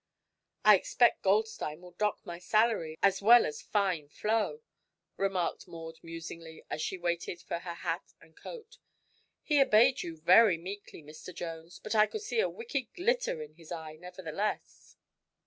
"I expect Goldstein will dock my salary, as well as fine Flo," remarked Maud musingly, as she waited for her hat and coat. "He obeyed you very meekly, Mr. Jones, but I could see a wicked glitter in his eye, nevertheless."